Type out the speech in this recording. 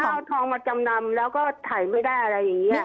เขาเอาทองมาจำนำแล้วก็ถ่ายไม่ได้อะไรอย่างนี้